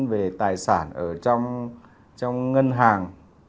về tài sản ở trong ngân hàng